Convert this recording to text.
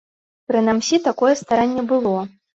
Прынамсі, такое старанне было.